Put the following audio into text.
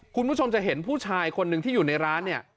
คุณผู้ชมจะเห็นผู้ชายคนหนึ่งที่อยู่ในร้านเนี่ย